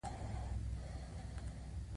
دوی د خلکو د هیلو استازیتوب کاوه.